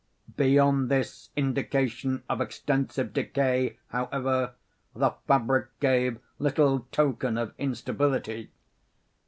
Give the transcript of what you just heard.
Beyond this indication of extensive decay, however, the fabric gave little token of instability.